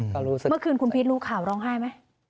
เมื่อคืนคุณพีชรู้ข่าวร้องไห้ไหม